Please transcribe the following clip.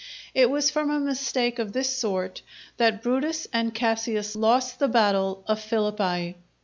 It was from a mistake of this sort, that Brutus and Cassius lost the battle of Philippi.